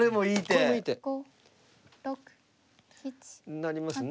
成りますね。